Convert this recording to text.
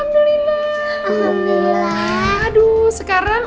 alhamdulillah aduh sekarang